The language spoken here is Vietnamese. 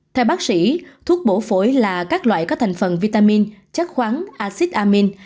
theo bác sĩ thuốc bổ phổi là các loại có thành phần vitamin chất khoáng acid amine